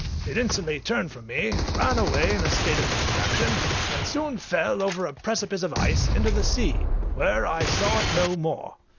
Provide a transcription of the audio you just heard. It instantly turned from me, ran away in a state of distraction, and soon fell over a precipice of ice into the sea, where I saw it no more.